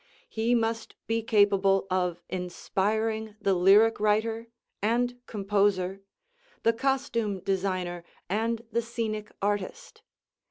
He must be capable of inspiring the lyric writer and composer, the costume designer and the scenic artist.